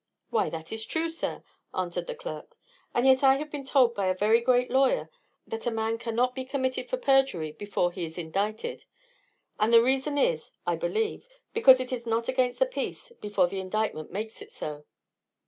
"Why, that is true, sir," answered the clerk; "and yet I have been told by a very great lawyer that a man cannot be committed for perjury before he is indicted; and the reason is, I believe, because it is not against the peace before the indictment makes it so."